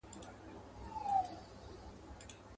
سرومال به مو تر مېني قرباني کړه.